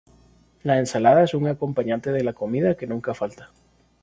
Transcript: La ensalada es un acompañante de la comida que nunca falta.